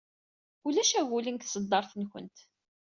Ulac agulen deg tṣeddart-nwent.